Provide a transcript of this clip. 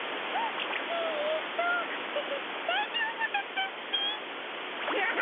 ええとだだいじょうぶだったっピ。わい！